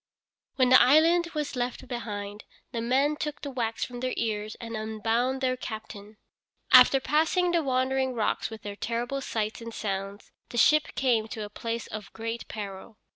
When the island was left behind, the men took the wax from their ears and unbound their captain. After passing the Wandering Rocks with their terrible sights and sounds the ship came to a place of great peril.